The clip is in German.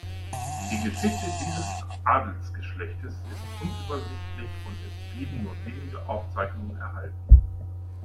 Die Geschichte dieses Adelsgeschlechtes ist unübersichtlich und es blieben nur wenige Aufzeichnungen erhalten.